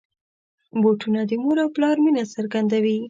بوټونه د مور او پلار مینه څرګندوي.